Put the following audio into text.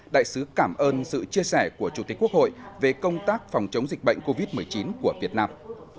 đại sứ cảm ơn sự chia sẻ của chủ tịch quốc hội về công tác phòng chống dịch bệnh covid một mươi chín của việt nam